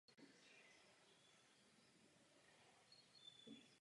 České lvy.